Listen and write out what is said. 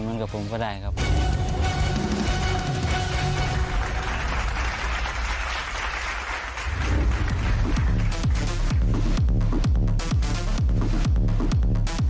เมื่อวานนี้ร้านที่๒แตกเลย